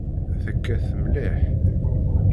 Tekkat mliḥ.